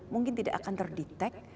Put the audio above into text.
mungkin tidak akan terdetek